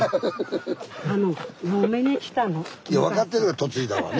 いや分かってる「嫁いだ」はね。